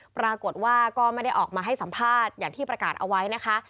ปรากฏว่าก็ไม่ได้ออกมาให้สัมภาษณ์อย่างที่ประกาศเอาไว้นะคะ